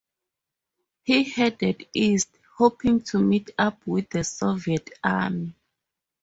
He headed east, hoping to meet up with the Soviet army.